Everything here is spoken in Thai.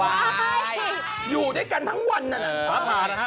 ว้ายอยู่ด้วยกันทั้งวันน่ะนะ